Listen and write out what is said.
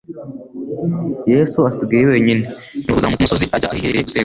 Yesu asigaye wenyine "Niko kuzamuka umusozi, ajya ahiherereye gusenga".